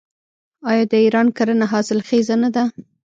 آیا د ایران کرنه حاصلخیزه نه ده؟